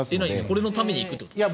これのために行くということですか？